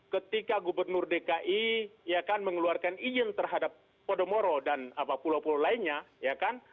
ketika gubernur dki ya kan mengeluarkan izin terhadap podomoro dan pulau pulau lainnya ya kan